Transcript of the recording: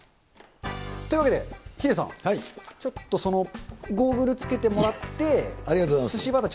というわけでヒデさん、ちょっとそのゴーグルつけてもらって、すしバター、